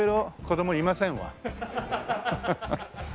子供いませんわ。